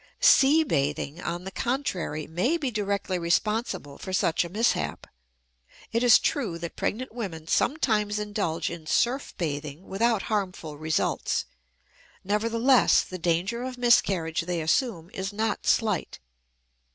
Sea bathing, on the contrary, may be directly responsible for such a mishap. It is true that pregnant women sometimes indulge in surf bathing without harmful results; nevertheless the danger of miscarriage they assume is not slight.